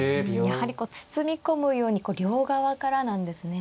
やはりこう包み込むように両側からなんですね。